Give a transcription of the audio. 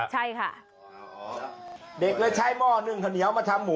เด็กเลยใช้หม้อนึ่งเดี๋ยวมาทำหัว